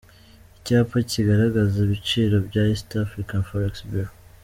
Icyapa kigaragaza ibiciro bya East Africa Forex Bureau.